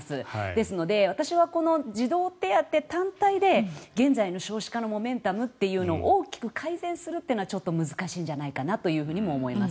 ですので、私は児童手当単体で現在の少子化のモメンタムというのを大きく改善するというのは難しいんじゃないかなと思います。